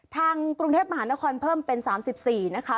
ทางกรุงเทพมหานครเพิ่มเป็น๓๔นะคะ